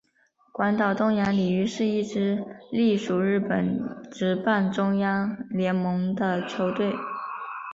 广岛东洋鲤鱼是一支隶属日本职棒中央联盟的球队。